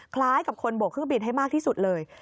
คล้ายกับคนโบกเครื่องบินให้มากที่สุดเลย